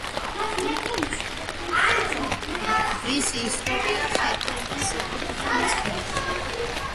მისი ისტორია ხეთების ეპოქიდან იწყება.